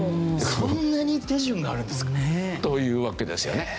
そんなに手順があるんですか。というわけですよね。